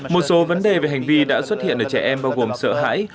một số vấn đề về hành vi đã xuất hiện ở trẻ em bao gồm sợ hãi